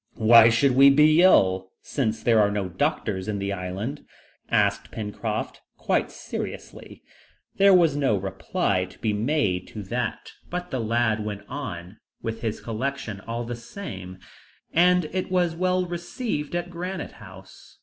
"Why should we be ill, since there are no doctors in the island?" asked Pencroft quite seriously. There was no reply to be made to that, but the lad went on with his collection all the same, and it was well received at Granite House.